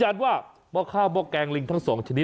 ยืนยันว่าม่อข้าวมาแกงลิงทั้งสองชนิด